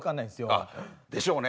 あでしょうね。